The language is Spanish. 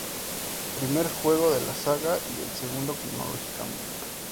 Primer juego de la saga y el segundo cronológicamente.